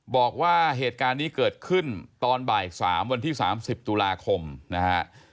บอกว่าเหตุการณ์นี้เกิดขึ้นตอนบ่าย๓วันที่๓๐ตุลาคมนะฮะ